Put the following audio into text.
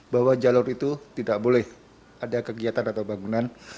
bahwa jalur itu tidak boleh ada kegiatan atau bangunan